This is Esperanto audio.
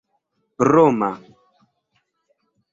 roma